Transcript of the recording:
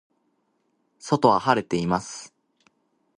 外は晴れています。